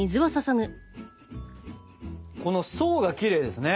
この層がきれいですね！